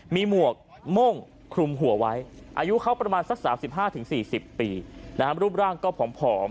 มีหมวกโม่งคลุมหัวไว้อายุเขาประมาณสัก๓๕๔๐ปีรูปร่างก็ผอม